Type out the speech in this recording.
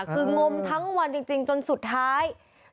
คืองมทั้งวันจริงจนสุดท้าย